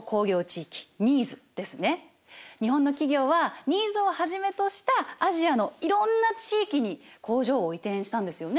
日本の企業はＮＩＥＳをはじめとしたアジアのいろんな地域に工場を移転したんですよね。